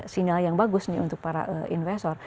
sinyal yang bagus nih untuk para investor